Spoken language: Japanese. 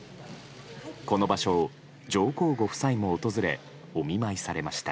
この場所を上皇ご夫妻も訪れお見舞いされました。